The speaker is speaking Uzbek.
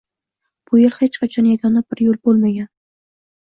Bu yoʻl hech qachon yagona bir yoʻl boʻlmagan.